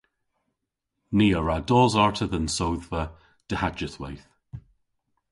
Ni a wra dos arta dhe'n sodhva dohajydhweyth.